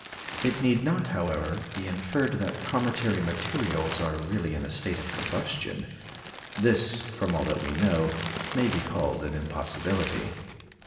It need not, however, be inferred that cometary materials are really in a state of combustion. This, from all that we know, may be called an impossibility.